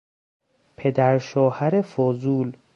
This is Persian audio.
پدر شوهر فضول